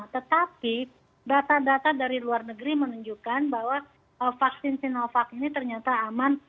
tetapi data data dari luar negeri menunjukkan bahwa vaksin sinovac ini ternyata aman